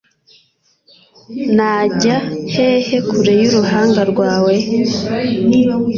Najya hehe kure y’uruhanga rwawe?